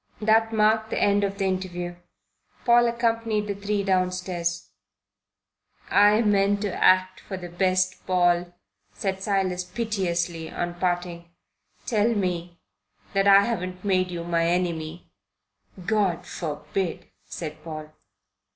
That marked the end of the interview. Paul accompanied the three downstairs. "I meant to act for the best, Paul," said Silas piteously, on parting. "Tell me that I haven't made you my enemy." "God forbid," said Paul.